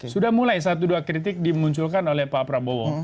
sudah mulai satu dua kritik dimunculkan oleh pak prabowo